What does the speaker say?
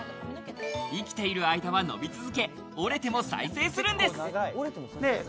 生きている間は伸び続け、折れても再生するんです。